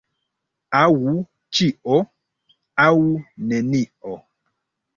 Aŭ ĉio, aŭ nenio.